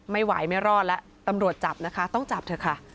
ไม่ไหวไม่รอดแล้วตำรวจจับนะคะต้องจับเถอะค่ะ